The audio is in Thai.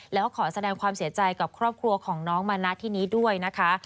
แล้วก็ขอแสดงความเสียใจกับครอบครัวของน้องมานะที่นี้ด้วยนะคะ